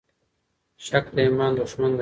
شک د ایمان دښمن دی.